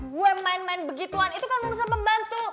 gue main main begituan itu kan mau ngerusak pembantu